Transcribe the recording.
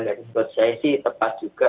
dan menurut saya sih tepat juga